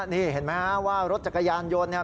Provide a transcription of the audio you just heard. นี่เห็นไหมฮะว่ารถจักรยานยนต์เนี่ย